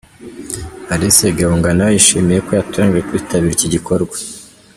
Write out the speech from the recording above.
Alice Gahunga nawe yishimiye ko yatoranijwe kwitabira iki gikorwa.